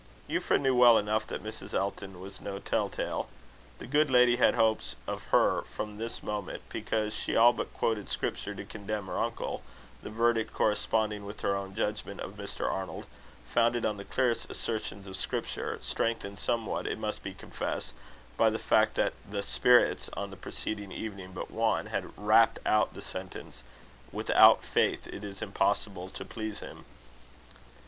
Euphra knew well enough that Mrs. Elton was no tell tale. The good lady had hopes of her from this moment, because she all but quoted Scripture to condemn her uncle; the verdict corresponding with her own judgment of Mr. Arnold, founded on the clearest assertions of Scripture; strengthened somewhat, it must be confessed, by the fact that the spirits, on the preceding evening but one, had rapped out the sentence: "Without faith it is impossible to please him."